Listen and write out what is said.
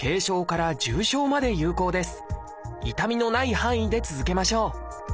痛みのない範囲で続けましょう。